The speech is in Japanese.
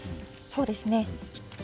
そうですね。